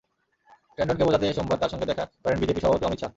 ট্যান্ডনকে বোঝাতে সোমবার তাঁর সঙ্গে দেখা করেন বিজেপি সভাপতি অমিত শাহ।